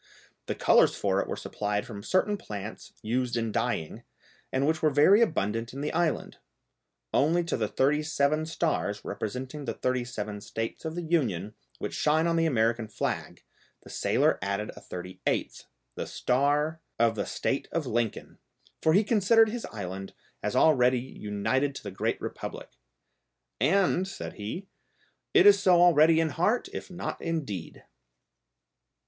The colours for it were supplied from certain plants used in dyeing, and which were very abundant in the island; only to the thirty seven stars, representing the thirty seven States of the Union, which shine on the American flag, the sailor added a thirty eighth, the star of "the State of Lincoln," for he considered his island as already united to the great republic. "And," said he, "it is so already in heart, if not in deed!"